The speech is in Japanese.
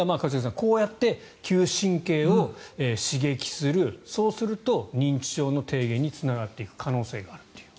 こうやって嗅神経を刺激するそうすると認知症の低減につながっていく可能性があると。